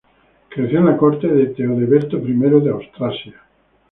Creció en la corte de Teodeberto I de Austrasia.